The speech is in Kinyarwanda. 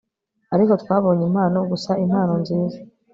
ariko twabonye impano, gusa impano nziza